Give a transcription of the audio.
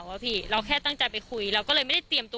ก็กลายเป็นว่าติดต่อพี่น้องคู่นี้ไม่ได้เลยค่ะ